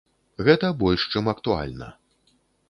Гэта больш чым актуальна.